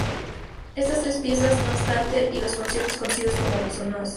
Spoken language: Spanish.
Estas tres piezas, no obstante, y los conciertos conocidos como nos.